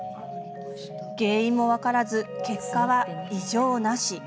原因も分からず、結果は異常なし。